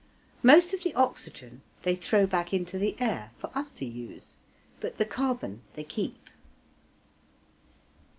Most of the oxygen they throw back into the air for us to use, but the carbon they keep.